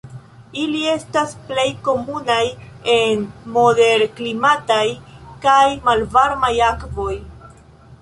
Ili estas plej komunaj en moderklimataj kaj malvarmaj akvoj.